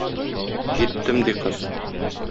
Җиттем, - ди кыз.